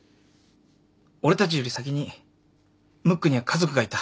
俺たちより先にムックには家族がいた。